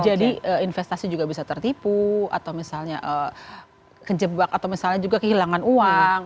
jadi investasi juga bisa tertipu atau misalnya kejebak atau misalnya juga kehilangan uang